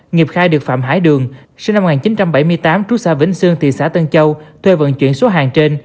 nghiệp khai được phạm hải đường sinh năm một nghìn chín trăm bảy mươi tám trú xa vĩnh sương thị xã tân châu thuê vận chuyển số hàng trên